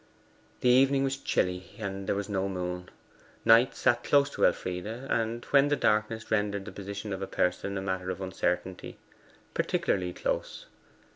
The evening was chilly, and there was no moon. Knight sat close to Elfride, and, when the darkness rendered the position of a person a matter of uncertainty, particularly close.